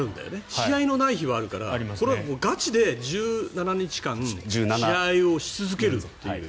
試合のない日はあるからこれはガチで１７日間試合をし続けると。